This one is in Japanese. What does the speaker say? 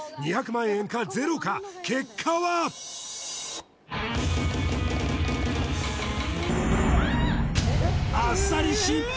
２００万円かゼロか結果は？えっ？